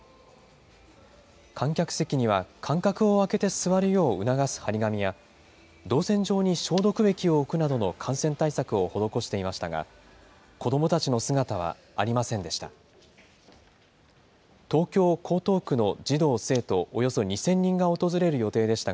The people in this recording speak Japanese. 観客席には間隔を空けて座るよう促す貼り紙や、動線上に消毒液を置くなどの感染対策を施していましたが、子どもたちの姿はありませんでした。